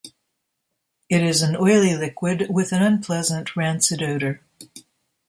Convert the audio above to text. It is an oily liquid with an unpleasant, rancid odor.